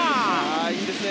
いいですね！